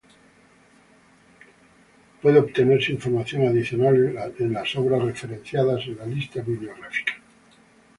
Puede obtenerse información adicional en las obras referenciadas en la lista bibliográfica.